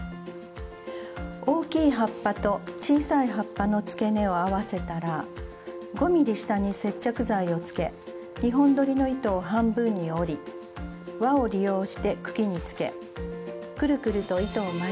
大きい葉っぱと小さい葉っぱのつけ根を合わせたら５ｍｍ下に接着剤をつけ２本どりの糸を半分に折り輪を利用して茎につけくるくると糸を巻いていきます。